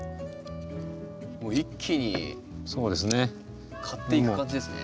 もう一気に刈っていく感じですね。